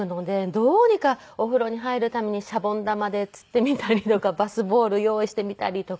どうにかお風呂に入るためにシャボン玉で釣ってみたりとかバスボール用意してみたりとか。